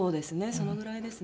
そのぐらいですね。